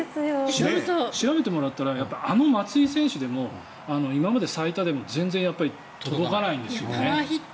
調べてもらったらあの松井選手でも今まで最多でも全然やっぱり届かないんですよね。